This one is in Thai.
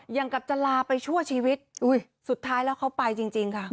อย่างกับจะลาไปชั่วชีวิตสุดท้ายแล้วเขาไปจริงค่ะ